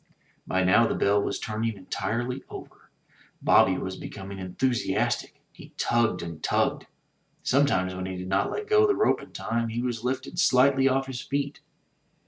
By now the bell was turning entirely over. Bobby was becoming enthus iastic. He tugged and tugged. Sometimes when he did not let go the rope in time, he was lifted slightly off his feet.